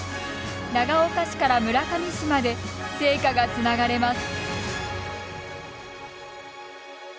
長岡市から村上市まで聖火がつながれます。